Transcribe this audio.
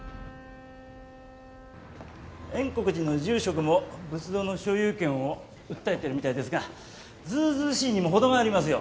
円刻寺の住職も仏像の所有権を訴えてるみたいですがずうずうしいにも程がありますよ。